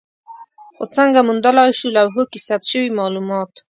خو څنګه موندلای شو لوحو کې ثبت شوي مالومات؟